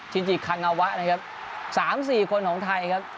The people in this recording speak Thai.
จิจิคังอาวะนะครับ๓๔คนของไทยครับ